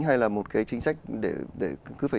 hay là một cái chính sách để cứ phải